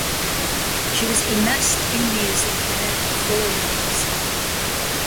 She was immersed in music there for four years.